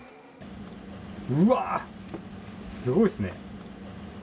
うわー、すごいですね。